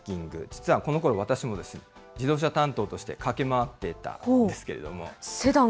実はこのころ、私もですね、自動車担当として駆け回っていたんですけれども。